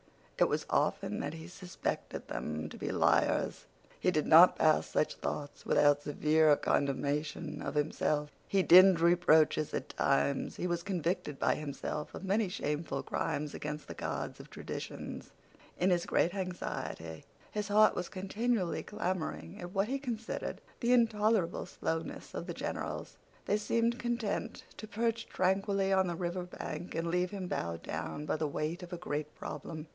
It was often that he suspected them to be liars. He did not pass such thoughts without severe condemnation of himself. He dinned reproaches at times. He was convicted by himself of many shameful crimes against the gods of traditions. In his great anxiety his heart was continually clamoring at what he considered the intolerable slowness of the generals. They seemed content to perch tranquilly on the river bank, and leave him bowed down by the weight of a great problem.